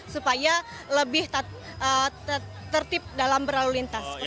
supaya lebih tertib dalam berlalu lintas